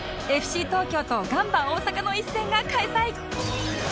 ＦＣ 東京とガンバ大阪の一戦が開催